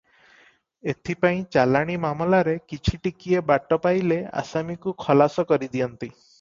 ଏଥି ପାଇଁ ଚାଲାଣି ମାମଲାରେ କିଛି ଟିକିଏ ବାଟ ପାଇଲେ ଆସାମୀକୁ ଖଲାସ କରି ଦିଅନ୍ତି ।